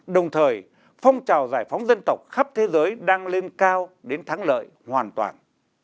đồng thời phong trào giải phóng dân tộc khắp thế giới đang lên cao đến thắng lợi hoàn toàn